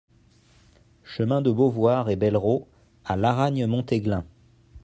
Chemin de Beauvoir et Bellerots à Laragne-Montéglin